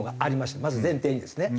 まず前提にですね。